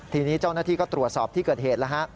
ทีนี้เจ้าหน้าที่ก็ตรวจสอบที่เกิดเหตุแล้วฮะ